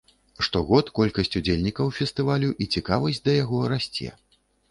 Штогод колькасць удзельнікаў фестывалю і цікавасць да яго расце.